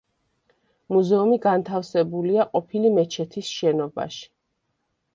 მუზეუმი განთავსებულია ყოფილი მეჩეთის შენობაში.